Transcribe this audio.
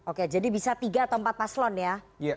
oke jadi bisa tiga atau empat paslon ya